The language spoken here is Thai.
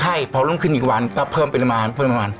เพราะว่าต้องขึ้นอีกวันก็เพิ่มไปประมาณ